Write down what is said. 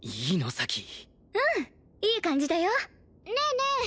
咲うんいい感じだよねえねえ